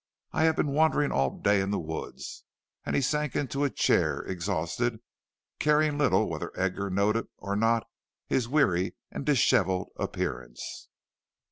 I have been wandering all day in the woods." And he sank into a chair exhausted, caring little whether Edgar noted or not his weary and dishevelled appearance.